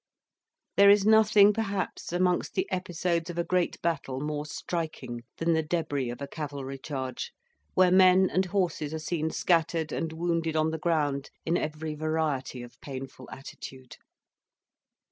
There is nothing perhaps amongst the episodes of a great battle more striking than the debris of a cavalry charge, where men and horses are seen scattered and wounded on the ground in every variety of painful attitude.